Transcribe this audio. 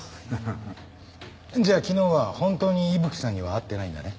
じゃあ昨日は本当に伊吹さんには会ってないんだね？